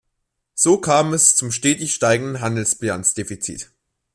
So kam es zum stetig steigenden Handelsbilanzdefizit.